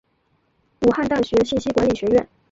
武汉大学信息管理学院